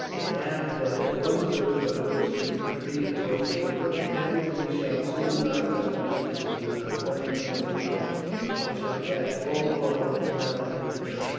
They have but one bridge by which to retreat across the river, and we shall soon knock that to pieces with our guns on the right, and shall catch all who are in the town in a trap."